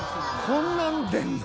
こんなの出るの？